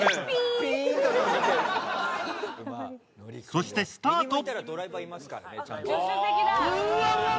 そして、スタート。